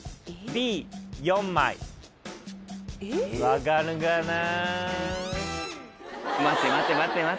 分かるかな？